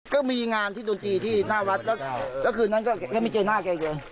ก็มีงานที่ดนตรีที่หน้าวัดแล้วคืนนั้นก็ไม่เจอหน้าแกอีกเลย